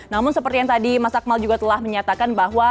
namun seperti yang tadi mas akmal juga telah menyatakan bahwa